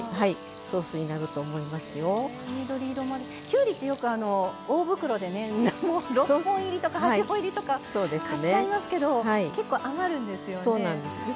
きゅうりってよく大袋でね６本入りとか８本入りとか買っちゃいますけど結構余るんですよね。